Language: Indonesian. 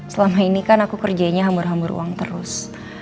selama ini kan aku kerjanya hambur hambur uang terus